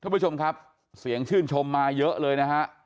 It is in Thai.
คุณผู้ชมครับเสียงชื่นชมมาเยอะเลยนะฮะ